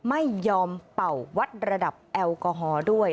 ไม่ยอมเป่าวัดระดับแอลกอฮอล์ด้วย